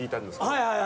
はい、はい。